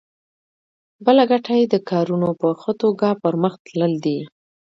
بله ګټه یې د کارونو په ښه توګه پرمخ تلل دي.